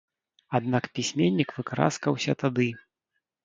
Аднак пісьменнік выкараскаўся тады.